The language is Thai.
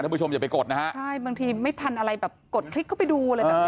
แล้วผู้ชมจะไปกดนะครับใช่บางทีไม่ทันอะไรกดคลิกเข้าไปดูเลยแบบนี้